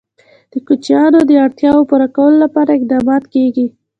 د کوچیانو د اړتیاوو پوره کولو لپاره اقدامات کېږي.